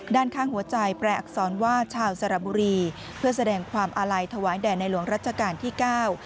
ด้านข้างหัวใจแปลอักษรว่าชาวสระบุรีเพื่อแสดงความอาลัยถวายแด่ในหลวงรัชกาลที่เก้า